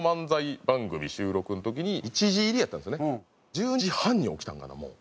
１０時半に起きたんかなもう。